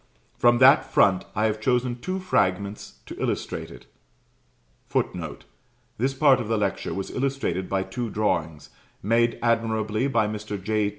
From that front I have chosen two fragments to illustrate it. [Footnote: This part of the lecture was illustrated by two drawings, made admirably by Mr. J.